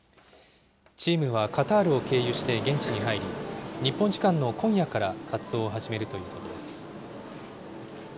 チームはカタールを経由して現地に入り、日本時間の今夜から活動を始めるということです。